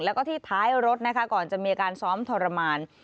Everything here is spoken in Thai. แล้วก็ที่ท้ายรถนะคะก่อนจะมีอาการซ้อมทรมาน